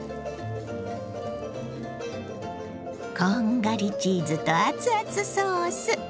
こんがりチーズと熱々ソース。